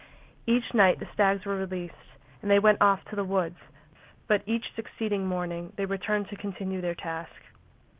Each night the stags were released, and they went off to the woods; but each succeeding morning they returned to continue their task.